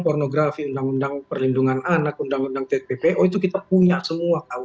pornografi undang undang perlindungan anak undang undang tppo itu kita punya semua